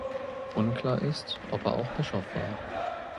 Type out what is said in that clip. Unklar ist, ob er auch Bischof war.